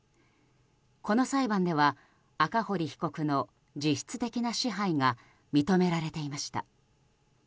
この裁判では赤堀被告の実質的な支配が認められていました。